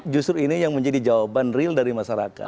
justru ini yang menjadi jawaban real dari masyarakat